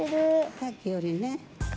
さっきよりね。